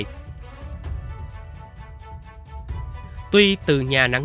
tuy từ nhà nạn nhân đến hiện trường vụ án chỉ cách nhau tầm năm trăm linh m